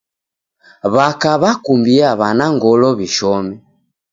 W'aka w'akumbia w'ana ngolo w'ishome.